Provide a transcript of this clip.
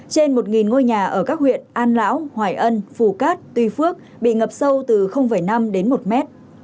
trên một ngôi nhà ở các huyện an lão hoài ân phù cát tuy phước bị ngập sâu từ năm đến một mét